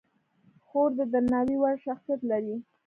خور د درناوي وړ شخصیت لري.